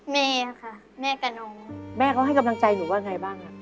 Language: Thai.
แม่ค่ะแม่กับน้องแม่เขาให้กำลังใจหนูว่าไงบ้าง